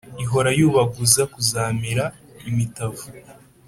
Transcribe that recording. ihora yubaguza kuzamira imitavu.